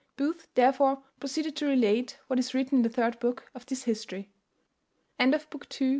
Booth, therefore, proceeded to relate what is written in the third book of this history. BOOK III.